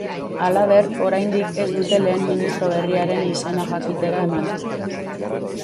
Halaber, oraindik ez dute lehen ministro berriaren izena jakitera eman.